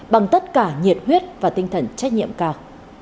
bằng tất cả nhiệt huyết và tinh thần trách nhiệm cao